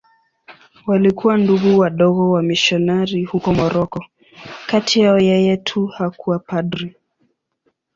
Walikuwa Ndugu Wadogo wamisionari huko Moroko.Kati yao yeye tu hakuwa padri.